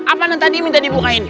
apaan tadi minta dibukain